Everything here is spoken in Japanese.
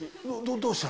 どうしたの？